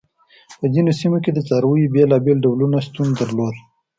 په ځینو سیمو کې د څارویو بېلابېل ډولونه شتون درلود.